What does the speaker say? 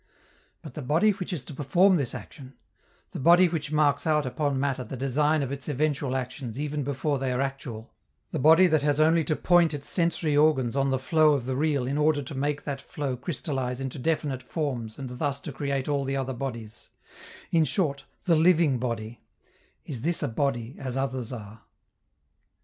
But the body which is to perform this action, the body which marks out upon matter the design of its eventual actions even before they are actual, the body that has only to point its sensory organs on the flow of the real in order to make that flow crystallize into definite forms and thus to create all the other bodies in short, the living body is this a body as others are?